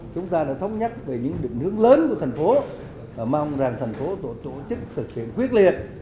chúng ta đã thống nhất về những định hướng lớn của thành phố mong rằng thành phố tổ chức thực hiện quyết liệt